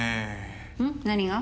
何が？